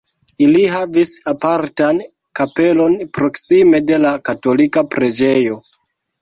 Ili havis apartan kapelon proksime de la katolika preĝejo.